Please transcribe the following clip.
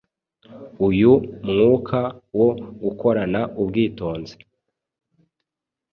Uyu mwuka wo gukorana ubwitonzi